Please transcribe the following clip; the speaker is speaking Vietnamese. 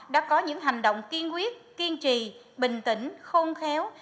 đã có những hành động kiên quyết kiên trì bình tĩnh khôn khéo